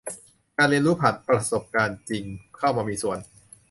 การเรียนรู้ผ่านประสบการณ์จริงเข้ามามีส่วน